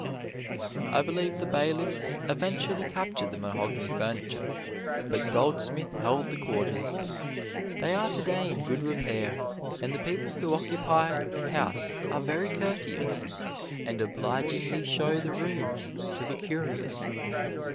I believe the bailiffs eventually captured the mahogany furniture, but Goldsmith held the quarters. They are today in good repair, and the people who occupy the house are very courteous, and obligingly show the rooms to the curious.